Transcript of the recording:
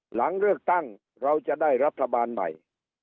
หลังเลือกตั้งเราจะได้รัฐบาลใหม่